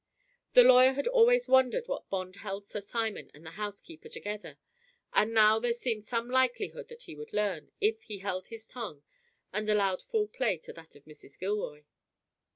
The lawyer had always wondered what bond held Sir Simon and the housekeeper together, and now there seemed some likelihood that he would learn, if he held his tongue and allowed full play to that of Mrs. Gilroy.